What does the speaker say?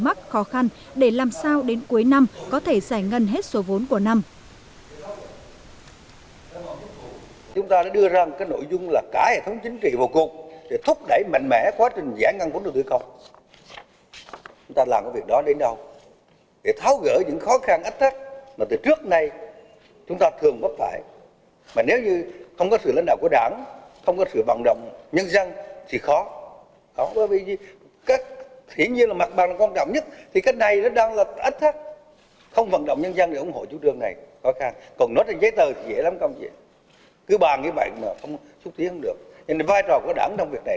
mắc khó khăn để làm sao đến cuối năm có thể giải ngân hết số vốn của năm